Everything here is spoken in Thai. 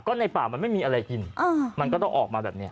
ก็ในป่ามันไม่มีอะไรกินมันก็ต้องออกมาแบบนี้